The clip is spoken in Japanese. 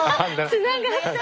つながった！